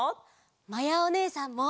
まやおねえさんも！